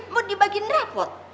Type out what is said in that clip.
mau dibagiin rapot